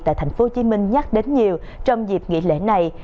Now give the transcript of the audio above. tại tp hcm nhắc đến nhiều trong dịp nghỉ lễ này